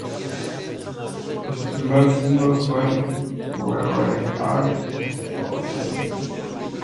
Su primer single fue "We're all to blame".